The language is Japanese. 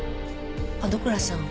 角倉さん